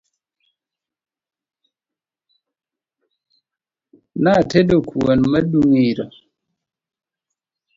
Natedo kuon ma dung' iro